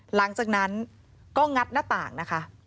หลังจากนั้นก็งัดหน้าต่างนะคะ